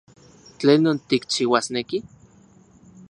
¿Tlenon tikchiuasneki?